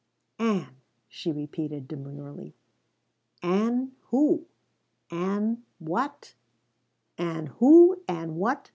_" "Ann," she repeated demurely. "Ann who? Ann what?" "Ann who! Ann _what!